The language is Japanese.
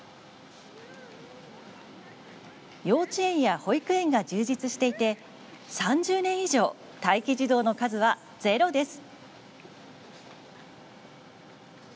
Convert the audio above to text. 幼稚園や保育園が充実していて３０年以上、待機児童の数はゼロです。